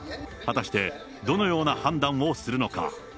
果たして、どのような判断をするのか。